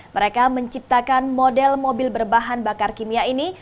mereka menciptakan model mobil berbahan bakar kimia ini